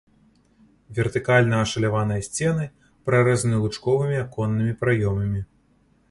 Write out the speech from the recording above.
Вертыкальна ашаляваныя сцены прарэзаны лучковымі аконнымі праёмамі.